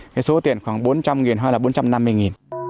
cái số tiền khoảng bốn trăm linh nghìn hay là bốn trăm năm mươi nghìn